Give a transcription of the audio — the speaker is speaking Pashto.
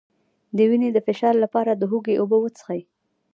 د وینې د فشار لپاره د هوږې اوبه وڅښئ